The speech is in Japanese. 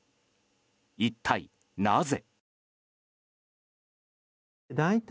一体なぜ？